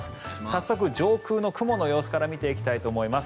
早速、上空の雲の様子から見ていきたいと思います。